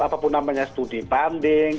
apapun namanya studi panding